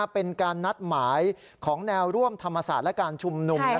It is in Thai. เป็นการนัดหมายของแนวร่วมธรรมศาสตร์และการชุมนุม